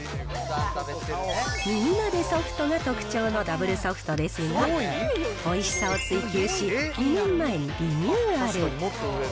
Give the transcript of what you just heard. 耳までソフトが特徴のダブルソフトですが、おいしさを追求し、２年前にリニューアル。